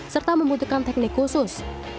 serta membutuhkan teknik khusus